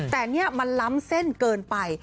แต่นี่มันล้ำเส้นเกินไป